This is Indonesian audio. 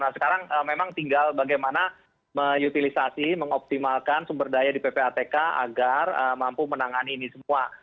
nah sekarang memang tinggal bagaimana mengutilisasi mengoptimalkan sumber daya di ppatk agar mampu menangani ini semua